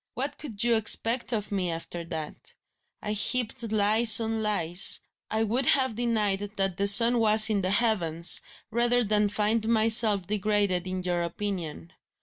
What could you expect of me, after that? I heaped lies on lies I would have denied that the sun was in the heavens rather than find myself degraded in your opinion.